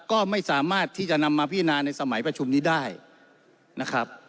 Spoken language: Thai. ก็ไม่สามารถที่จะนำมาพิจารณาในสมัยประชุมนี้ได้นะครับ